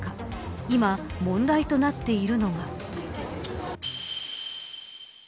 今、問題となっているのが。